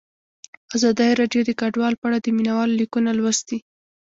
ازادي راډیو د کډوال په اړه د مینه والو لیکونه لوستي.